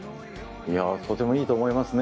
とてもいいと思いますね。